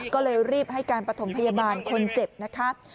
ก็เลยรีบให้การประถมพยาบาลคนเจ็บนะคะ